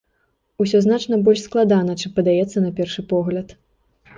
Усё значна больш складана, чым падаецца на першы погляд.